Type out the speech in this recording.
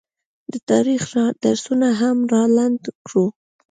د تاریخ درسونه هم رالنډ کړو